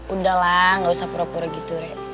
udah lah gak usah pura pura gitu raya